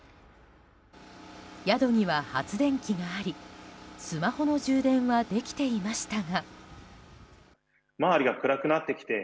宿には発電機がありスマホの充電はできてましたが。